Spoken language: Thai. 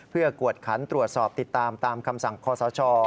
เพื่อกวดขันตรวจสอบติดตามตามคำสั่งคอสช